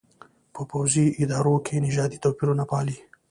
په پوځي ادارو کې نژادي توپېرونه پالي.